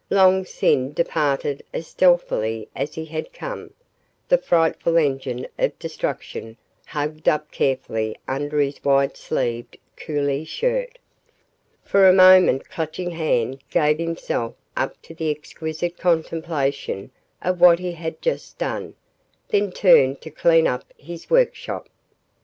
Long Sin departed as stealthily as he had come, the frightful engine of destruction hugged up carefully under his wide sleeved coolie shirt. For a moment Clutching Hand gave himself up to the exquisite contemplation of what he had just done, then turned to clean up his workshop. .